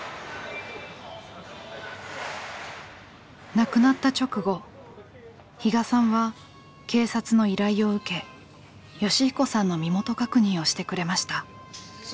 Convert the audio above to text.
亡くなった直後比嘉さんは警察の依頼を受け善彦さんの身元確認をしてくれました。